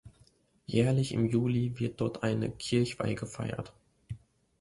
Jährlich im Juli wird dort eine Kirchweih gefeiert.